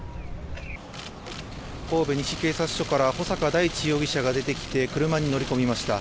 神戸西警察署から穂坂大地容疑者が出てきて車に乗り込みました。